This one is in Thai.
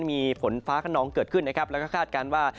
มีฝนฟ้าขนองเกิดขึ้นนะครับแล้วก็คาดการณ์ว่า